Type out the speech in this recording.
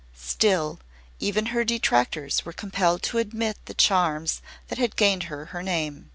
Still, even her detractors were compelled to admit the charms that had gained her her name.